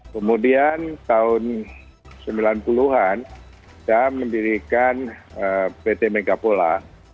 kemudian tahun sembilan puluh an saya mendirikan pt megapola